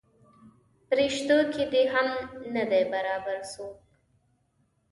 پریشتو کې دې هم نه دی برابر څوک.